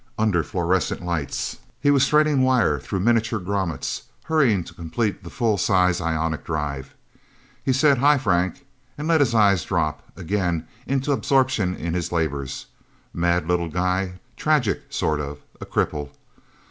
Under fluorescent lights, he was threading wire through miniature grommets, hurrying to complete the full size ionic drive. He said, "Hi, Frank," and let his eyes drop, again, into absorption in his labors. Mad little guy. Tragic, sort of. A cripple...